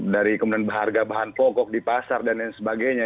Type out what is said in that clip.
dari kemudian harga bahan pokok di pasar dan lain sebagainya